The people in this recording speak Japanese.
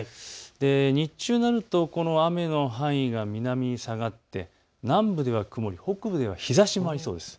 日中になるとこの雨の範囲が南に下がって南部では曇り北部では日ざしもありそうです。